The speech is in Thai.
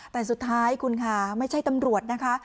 แต่สุดท้ายคุณค่ะไม่ใช่ตำรวจนะคะ